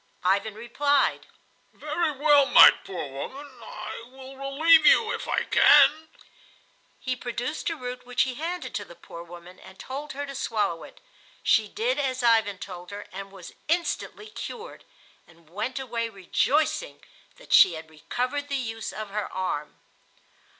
Ivan replied: "Very well, my poor woman; I will relieve you if I can." He produced a root which he handed to the poor woman and told her to swallow it. She did as Ivan told her and was instantly cured, and went away rejoicing that she had recovered the use of her arm.